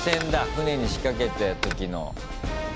船に仕掛けた時の。